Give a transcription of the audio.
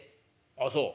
「あそう。